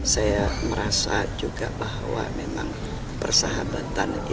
saya merasa juga bahwa memang persahabatan